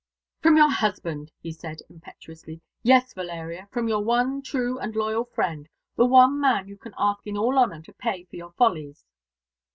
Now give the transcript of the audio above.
"From your husband," he answered impetuously. "Yes, Valeria, from your one true and loyal friend. The one man you can ask in all honour to pay for your follies."